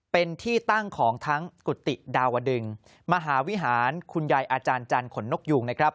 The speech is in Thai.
เป็นที่ตั้งของทั้งกุฏิดาวดึงมหาวิหารคุณยายอาจารย์จันทร์ขนนกยูงนะครับ